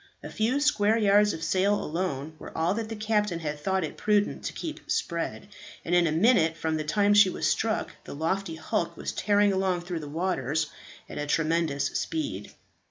A few square yards of sail alone were all that the captain had thought it prudent to keep spread, and in a minute from the time she was struck the lofty hulk was tearing along through the waters at a tremendous speed.